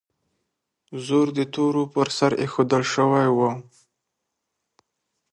زور د تورو پر سر ایښودل شوی و.